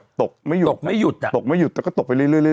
ก็ตกเรื่อยแบบตกไม่หยุดแต่ก็ตกไปเรื่อย